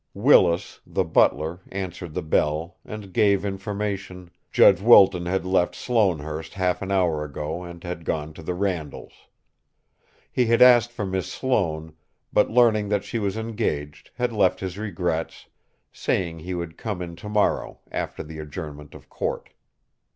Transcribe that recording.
Willis, the butler, answered the bell, and gave information: Judge Wilton had left Sloanehurst half an hour ago and had gone to the Randalls'. He had asked for Miss Sloane, but, learning that she was engaged, had left his regrets, saying he would come in tomorrow, after the adjournment of court.